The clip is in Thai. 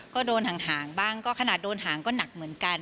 ก็โดนห่างบ้างก็ขนาดโดนหางก็หนักเหมือนกัน